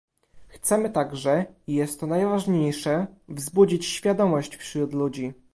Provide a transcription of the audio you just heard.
Chcemy także - i jest to najważniejsze - wzbudzić świadomość wśród ludzi